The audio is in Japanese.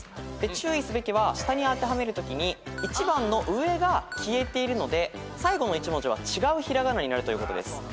注意すべきは下にあてはめるときに１番の上が消えているので最後の１文字は違う平仮名になるということです。